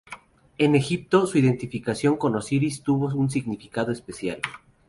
En Egipto, su identificación con Osiris tuvo un significado especial.